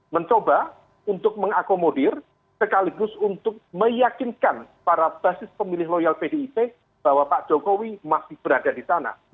mencoba untuk mengakomodir sekaligus untuk meyakinkan para basis pemilih loyal pdip bahwa pak jokowi masih berada di sana